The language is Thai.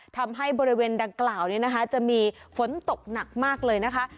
ทำให้บริเวณดังกล่าวนี้นะคะจะมีฝนตกหนักมากเลยนะคะ